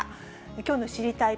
きょうの知りたいッ！